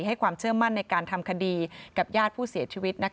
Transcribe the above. ให้ความเชื่อมั่นในการทำคดีกับญาติผู้เสียชีวิต